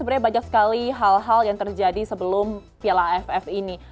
sebenarnya banyak sekali hal hal yang terjadi sebelum piala aff ini